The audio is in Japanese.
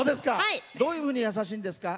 どういうふうに元気が出るんですか？